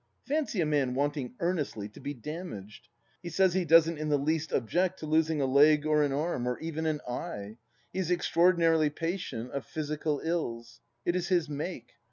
Fancy a man wanting earnestly to be damaged I He says he doesn't in the least object to losing a leg or an arm, or even an eye : he is extraordinarily patient of physical ills. It is his make.